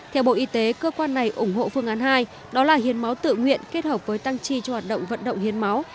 theo bộ y tế cơ quan này ủng hộ phương án hai đó là hiến máu tự nguyện kết hợp với tăng chi cho hoạt động vận động hiến máu